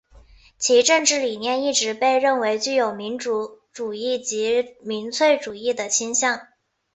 其政治理念一直被认为具有民族主义及民粹主义的倾向。